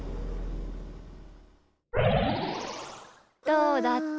どうだった？